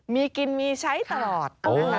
มีกินมีใช้ตลอด